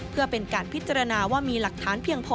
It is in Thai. เพื่อเป็นการพิจารณาว่ามีหลักฐานเพียงพอ